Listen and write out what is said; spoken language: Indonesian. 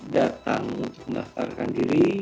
datang untuk mendaftarkan diri